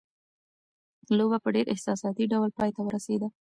لوبه په ډېر احساساتي ډول پای ته ورسېده.